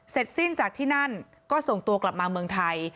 สิ้นจากที่นั่นก็ส่งตัวกลับมาเมืองไทย